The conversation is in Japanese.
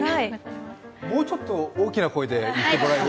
もうちょっと大きな声で言ってもらえる？